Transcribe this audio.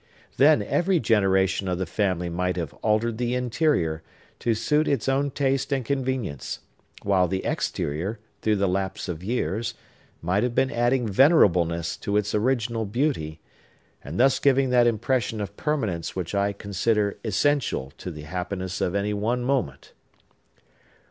Then, every generation of the family might have altered the interior, to suit its own taste and convenience; while the exterior, through the lapse of years, might have been adding venerableness to its original beauty, and thus giving that impression of permanence which I consider essential to the happiness of any one moment."